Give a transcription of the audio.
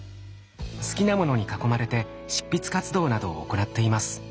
好きなものに囲まれて執筆活動などを行っています。